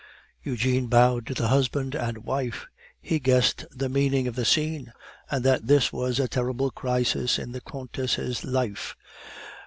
Eugene bowed to the husband and wife; he guessed the meaning of the scene, and that this was a terrible crisis in the Countess' life.